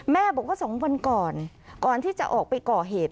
แม่บอกว่า๒วันก่อนก่อนที่จะออกไปก่อเหตุ